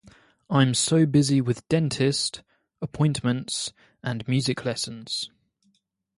I'm so busy with dentist, appointments, and music lessons.